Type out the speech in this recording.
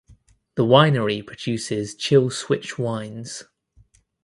The winery produces Chill Switch Wines.